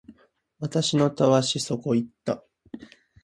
私のたわしそこ行った